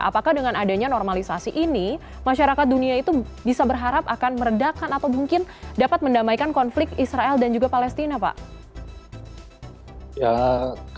apakah dengan adanya normalisasi ini masyarakat dunia itu bisa berharap akan meredakan atau mungkin dapat mendamaikan konflik israel dan juga palestina pak